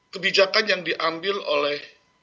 kebijakan yang diambil oleh